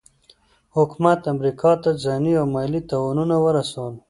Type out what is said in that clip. حکومت امریکا ته ځاني او مالي تاوانونه ورسول.